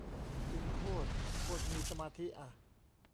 จริงโคตร โคตรมีสมาธิอ่ะ